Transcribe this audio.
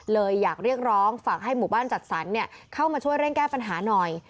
เลยอยากเรียกร้องฝากให้หมู่บ้านจัดสรรเข้ามาช่วยเร่งแก้ปัญหาหน่อย